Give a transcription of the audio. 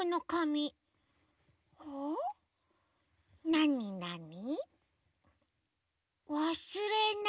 なになに？